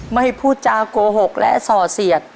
ไม่พูดจาโกหกและส่อเสียด